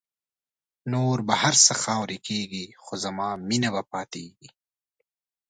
نور به هر څه خاوری کېږی خو زما مینه به پاتېږی